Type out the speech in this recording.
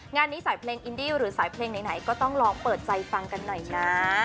งานนี้สายเพลงอินดี้หรือสายเพลงไหนก็ต้องลองเปิดใจฟังกันหน่อยนะ